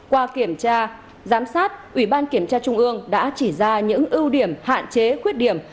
qua kiểm tra giám sát ủy ban kiểm tra trung ương đã chỉ ra những ưu điểm hạn chế khuyết điểm